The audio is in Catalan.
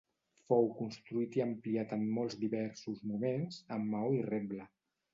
Fou construït i ampliat en molts diversos moments, amb maó i reble.